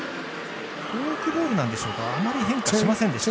フォークボールなんでしょうかあまり変化はありませんでした。